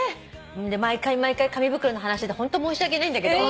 毎回毎回紙袋の話でホント申し訳ないんだけど。